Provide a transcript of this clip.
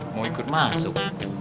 mau ikut masuk